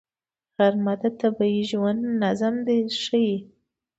غرمه د طبیعي ژوند نظم ښيي